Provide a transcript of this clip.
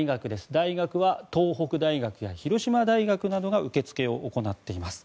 大学は東北大学や広島大学などが受け付けを行っています。